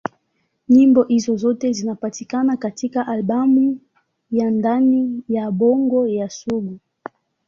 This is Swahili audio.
Nyimbo hizo zote zinapatikana katika albamu ya Ndani ya Bongo ya Sugu.